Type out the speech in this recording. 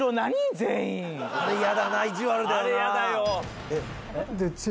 全員あれ嫌だな意地悪だよな